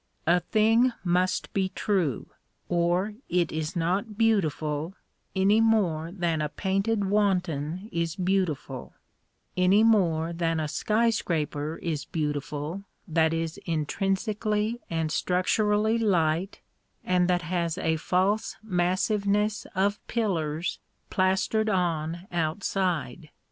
A thing must be true, or it is not beautiful, any more than a painted wanton is beautiful, any more than a sky scraper is beautiful that is intrinsically and structurally light and that has a false massiveness of pillars plastered on outside.